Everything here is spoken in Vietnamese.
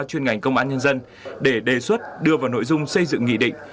chuyên ngành công an nhân dân để đề xuất đưa vào nội dung xây dựng nghị định